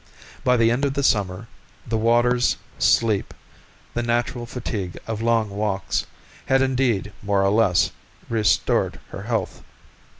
By the end of the summer, the waters, sleep, the natural fatigue of long walks, had indeed more or less restored her health.